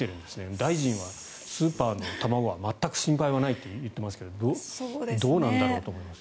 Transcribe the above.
大臣は、スーパーの卵は全く心配はないと言っていますがどうなんだろうと思いますが。